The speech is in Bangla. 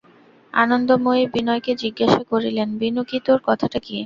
আনন্দময়ী বিনয়কে জিজ্ঞাসা করিলেন, বিনু, কী, তোর কথাটা কী?